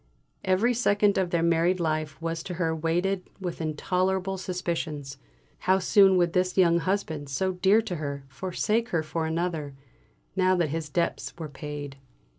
Every second of their married life was to her weighted with intolerable suspicions; how soon would this young husband, so dear to her, forsake her for another, now that his debts were paid?